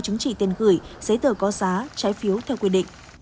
trừ tiền gửi giấy tờ có giá trái phiếu theo quy định